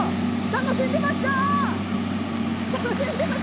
楽しんでますか。